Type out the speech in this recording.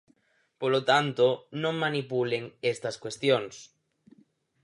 Polo tanto, non manipulen estas cuestións.